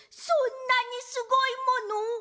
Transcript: そんなにすごいもの！？